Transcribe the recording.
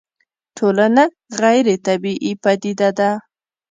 ټولنه غيري طبيعي پديده ده